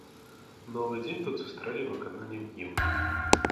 Новы дзень тут сустрэлі выкананнем гімну.